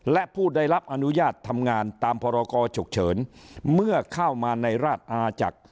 และผู้ได้รับอนุญาตทำงานตามพรกรฉุกเฉินเมื่อเข้ามาในราชอาจักร